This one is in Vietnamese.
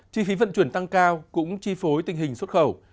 chi phí vận chuyển tăng cao cũng chi phối tình hình xuất khẩu